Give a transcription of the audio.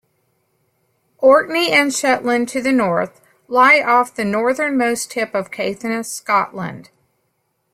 Orkney and Shetland, to the north, lie off the northernmost tip of Caithness, Scotland.